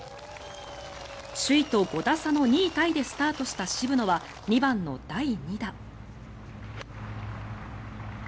首位と５打差の２位タイでスタートした渋野は２番の第２打。